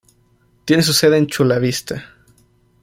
Tiene su sede en Chula Vista.